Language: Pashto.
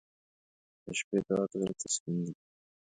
• د شپې دعا د زړه تسکین دی.